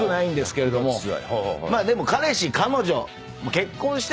でも彼氏彼女。